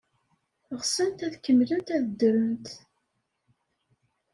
Ɣsent ad kemmlent ad ddrent.